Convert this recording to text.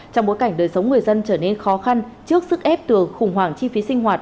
trong bối cảnh đời sống người dân trở nên khó khăn trước sức ép từ khủng hoảng chi phí sinh hoạt